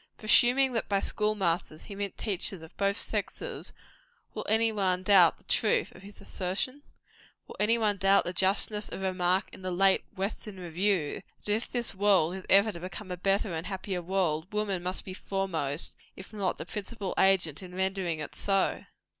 Presuming that by school masters he meant teachers of both sexes, will any one doubt the truth of his assertion? Will any one doubt the justness of a remark in the late "Western Review," that if this world is ever to become a better and a happier world, woman must be foremost, if not the principal agent in rendering it so?